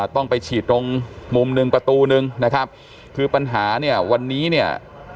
ต้องไปฉีดตรงมุมหนึ่งประตูนึงนะครับคือปัญหาเนี่ยวันนี้เนี่ย